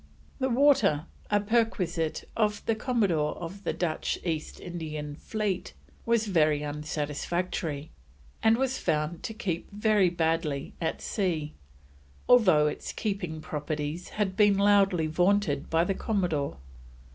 The water, a perquisite of the Commodore of the Dutch East Indian fleet, was very unsatisfactory, and was found to keep very badly at sea, although its keeping properties had been loudly vaunted by the Commodore.